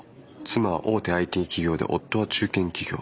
妻大手ＩＴ企業で夫は中堅企業。